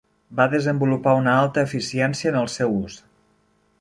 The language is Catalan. Va desenvolupar una alta eficiència en el seu ús.